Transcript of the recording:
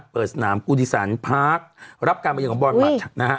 เปิดสนามกูธิสันพาร์ครับการบริเวณของบอร์ดมัตต์